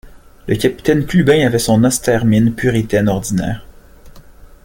Le capitaine Clubin avait son austère mine puritaine ordinaire.